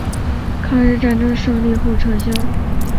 抗日战争胜利后撤销。